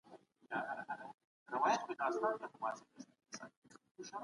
ماشوم به نوې مهارتونه زده کړي.